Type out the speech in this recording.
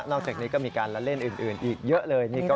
อกจากนี้ก็มีการละเล่นอื่นอีกเยอะเลย